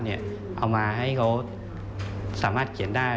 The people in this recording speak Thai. เอามาให้เขาสามารถเขียนได้